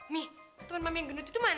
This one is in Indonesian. mi temen mami yang gendut itu mana